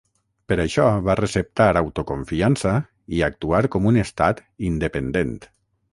Per això, va receptar autoconfiança i actuar com un estat independent.